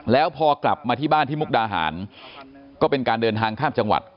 แล้วพอกลับมาที่บ้านที่มุกดาหารก็เป็นการเดินทางข้ามจังหวัด